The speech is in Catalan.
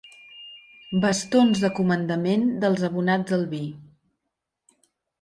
Bastons de comandament dels abonats al vi.